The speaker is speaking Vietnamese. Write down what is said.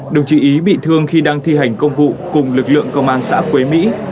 đồng chí ý bị thương khi đang thi hành công vụ cùng lực lượng công an xã quế mỹ